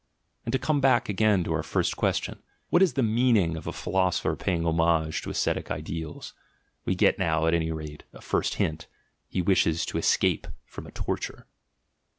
— And to come back again to our first question, "What is the meaning of a philosopher paying homage to ascetic ideals?" We 106 THE GENEALOGY OF MORALS get now, at any rate, a first hint; he wishes to escape from a torture.